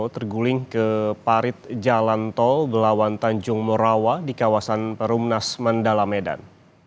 terguling ke parit jalan tol gelawan tanjung morawa di kawasan perumnas mandala medan